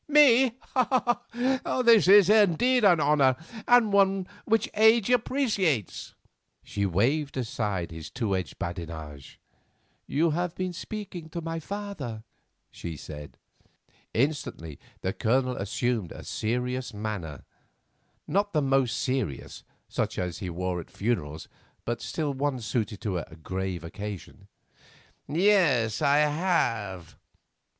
Me! This is indeed an honour, and one which age appreciates." She waved aside his two edged badinage. "You have been speaking to my father," she said. Instantly the Colonel assumed a serious manner, not the most serious, such as he wore at funerals, but still one suited to a grave occasion. "Yes, I have."